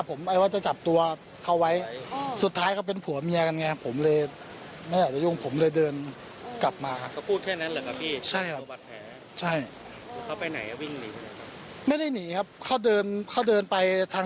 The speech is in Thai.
เขาด่าว่าอะไรพี่ต้องให้เขาด่ากัน